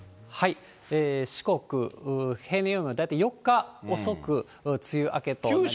四国、平年よりも大体４日遅く梅雨明けとなりました。